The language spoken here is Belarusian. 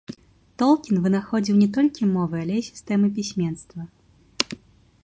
Толкін вынаходзіў не толькі мовы, але і сістэмы пісьменства.